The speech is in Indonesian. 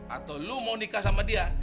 atau lu mau nikah sama dia